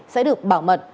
sẽ được bảo mật